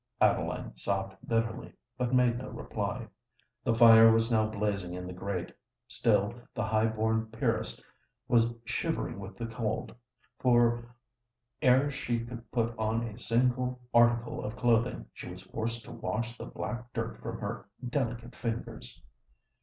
Adeline sobbed bitterly, but made no reply. The fire was now blazing in the grate: still the high born peeress was shivering with the cold—for ere she could put on a single article of clothing, she was forced to wash the black dirt from her delicate fingers.